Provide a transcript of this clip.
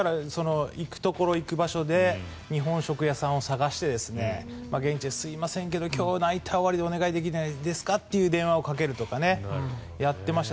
行くところ、行く場所で日本食屋さんを探して現地で、すいませんけど今日、ナイター終わりでお願いできますかという電話をかけるとか、やってました。